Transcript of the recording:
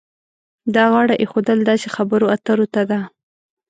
دا غاړه ایښودل داسې خبرو اترو ته ده.